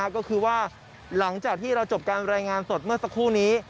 ก็คือว่าหลังจากที่เราจบการรายงานสดเมื่อสักครู่นี้